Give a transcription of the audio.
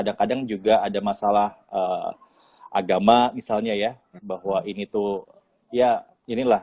kadang kadang juga ada masalah agama misalnya ya bahwa ini tuh ya inilah